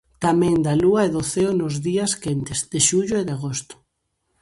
Tamén da lúa e do ceo nos días quentes de xullo e de agosto.